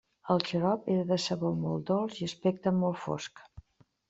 El xarop és de sabor molt dolç i aspecte molt fosc.